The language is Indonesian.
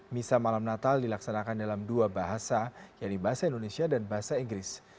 misa malam natal dilaksanakan dalam dua bahasa yaitu bahasa indonesia dan bahasa inggris